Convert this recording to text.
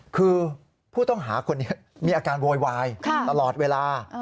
คือผู้ต้องหาคนนี้มีอาการโวยวายตลอดเวลา